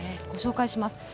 ご紹介します。